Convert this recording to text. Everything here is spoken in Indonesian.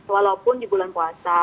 walaupun di bulan puasa